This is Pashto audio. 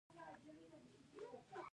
دا ډول فکر سطحي دی.